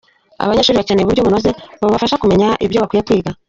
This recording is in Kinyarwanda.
Abanyeshuri bakeneye uburyo bunoze bubafasha kumenya ibyo bakwiye kwiga.